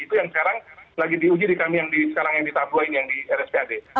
itu yang sekarang lagi diuji di kami yang sekarang yang di tabloain yang di rspad